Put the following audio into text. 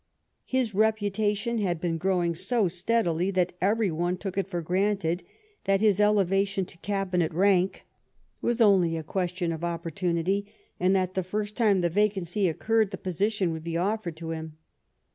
His reputation had been growing so steadily that every one took it for granted that his elevation to Cabinet rank was only a question of opportunity, and that the first time the vacancy occurred the position would be offered to him.